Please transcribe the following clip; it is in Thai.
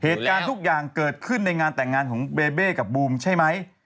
เหตุการณ์ทุกอย่างเกิดขึ้นในงานแต่งงานของเบเบ้กับบูมใช่ไหม